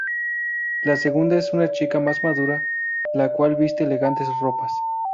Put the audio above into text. La segunda es una chica más madura, la cual viste elegantes ropas.